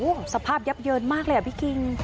สภาพยับเยินมากเลยอ่ะพี่คิง